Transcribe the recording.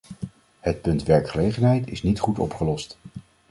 Het punt werkgelegenheid is niet goed opgelost.